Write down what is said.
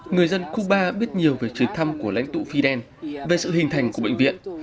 người dân cuba biết nhiều về chuyến thăm của lãnh tụ fidel về sự hình thành của bệnh viện